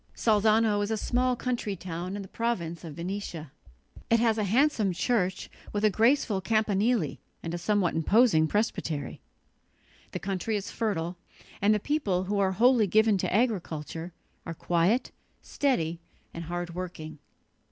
Salzano is a small country town in the province of Venetia. It has a handsome church with a graceful campanile and a somewhat imposing presbytery. The country is fertile, and the people, who are wholly given to agriculture, are quiet, steady and hard working.